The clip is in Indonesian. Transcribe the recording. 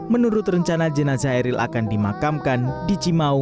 menurut rencana jenazah eril akan dimakamkan di cimau